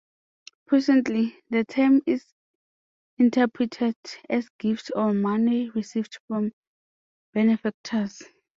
Presently, the term is interpreted as gift or money received from benefactors.